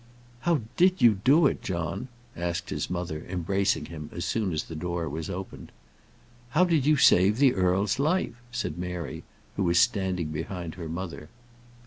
"How did you do it, John?" said his mother, embracing him, as soon as the door was opened. "How did you save the earl's life?" said Mary, who was standing behind her mother.